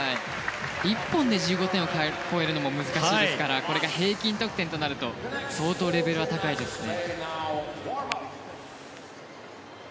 １本で１５点を超えるのも難しいですからこれが平均得点となると相当、レベルが高いですね。